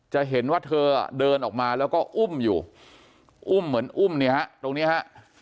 จะเห็นว่าเธอเดินออกมาแล้วก็อุ้มอยู่อุ้มเหมือนอุ้มเนี่ยฮะตรงนี้ฮะ